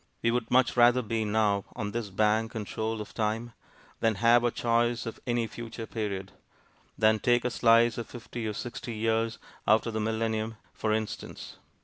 We would much rather be now, 'on this bank and shoal of time,' than have our choice of any future period, than take a slice of fifty or sixty years out of the Millennium, for instance.